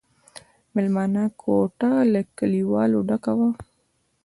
مېلمانه کوټه له کليوالو ډکه وه.